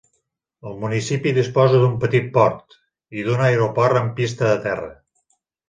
El municipi disposa d’un petit port, i d’un aeroport amb pista de terra.